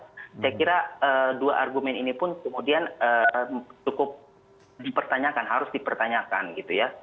saya kira dua argumen ini pun kemudian cukup dipertanyakan harus dipertanyakan gitu ya